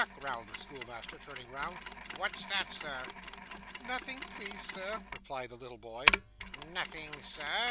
growled the schoolmaster, turning round. 'What's that, sir?' 'Nothing, please sir,' replied the little boy. 'Nothing, sir!